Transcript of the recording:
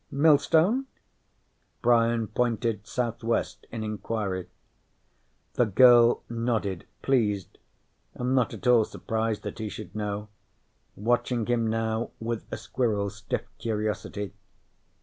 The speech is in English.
"Millstone?" Brian pointed southwest in inquiry. The girl nodded, pleased and not at all surprised that he should know, watching him now with a squirrel's stiff curiosity.